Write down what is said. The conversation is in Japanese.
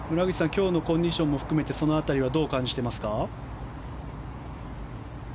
今日のコンディションも含めてその辺りはどう感じていますか？